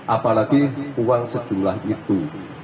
apalagi uang sejumlah itu